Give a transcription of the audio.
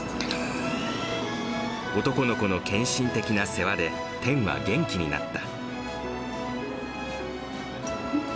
男の子の献身的な世話で、天は元気になった。